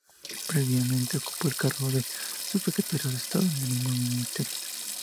Previamente, ocupó el cargo de Subsecretario de Estado en el mismo ministerio.